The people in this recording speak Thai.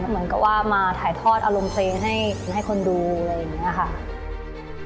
เหมือนกับว่ามาถ่ายทอดอารมณ์เพลงให้คนดูอะไรอย่างนี้ค่ะ